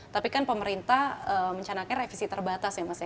tapi kan pemerintah mencanakan revisi terbatas ya mas ya